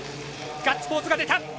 ガッツポーズが出た。